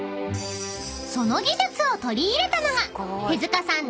［その技術を取り入れたのが手塚さん